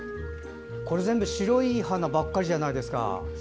全部白い花ばっかりじゃないですか。